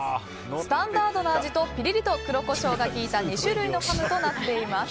スタンダードな味とピリリと黒コショウが効いた２種類のハムとなっています。